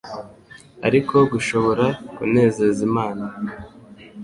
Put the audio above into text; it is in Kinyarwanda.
ariko gushobora kunezeza Imana.